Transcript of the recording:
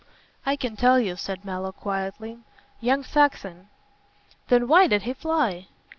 "I can tell you," said Mallow, quietly, "young Saxon." "Then why did he fly?"